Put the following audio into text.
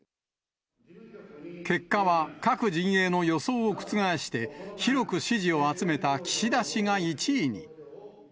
結果は各陣営の予想を覆して、広く支持を集めた岸田氏が１位に。